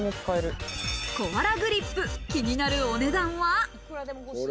コアラグリップ、気になるお値段は。